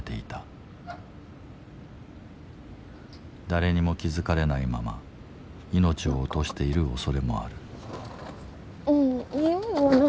誰にも気付かれないまま命を落としているおそれもある。